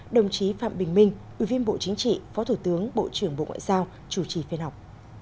đồng chí phạm bình minh ủy viên bộ chính trị phó thủ tướng bộ trưởng bộ ngoại giao chủ trì phiên họp